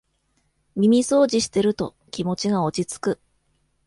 耳そうじしてると気持ちが落ちつく